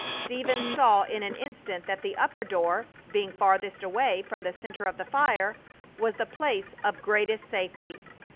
Stephen saw in an instant that the upper door, being farthest away from the center of the fire, was the place of greatest safety.